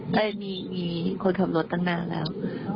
ได้มีคนขับรถตั้งนานแล้ว